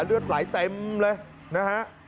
เลือดไหลเต็มเลยนะฮะ